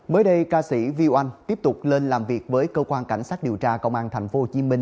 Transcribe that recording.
mới đây ca sĩ viu oanh tiếp tục lên làm việc với cơ quan cảnh sát điều tra công an tp hcm